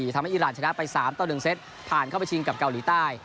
๒๐๕๔ทำให้อีรานชนะไป๓๑เซตผ่านเข้าไปชิงกับเกาหลีใต้